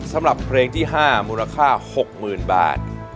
สำหรับเพลงที่๕มูลค่า๖๐๐๐บาท